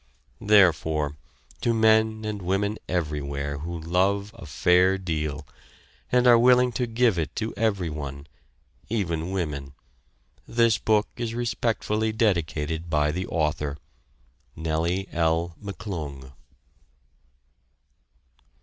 Therefore to men and women everywhere who love a fair deal, and are willing to give it to everyone, even women, this book is respectfully dedicated by the author. NELLIE L. McCLUNG.